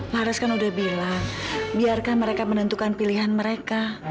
laras kan udah bilang biarkan mereka menentukan pilihan mereka